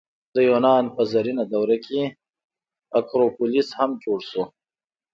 د یونان په زرینه دوره کې اکروپولیس هم جوړ شو.